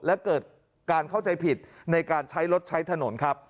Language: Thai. และเกิดการเข้าใจผิดในการใช้รถใช้ถนนครับ